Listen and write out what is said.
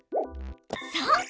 そう。